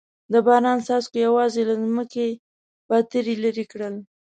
د باران څاڅکو یوازې له ځمکې پتري لرې کړل.